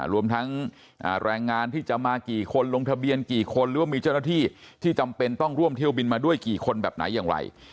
รวมทั้งแรงงานที่จะมากี่คนลงทะเบียนกี่คนหรือว่ามีเจ้าหน้าที่ที่จำเป็นต้องร่วมเที่ยวบินมาด้วยกี่คนแบบไหนอย่างไร